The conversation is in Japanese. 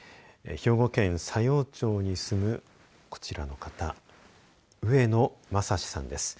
兵庫県佐用町に住むこちらの方上野政志さんです。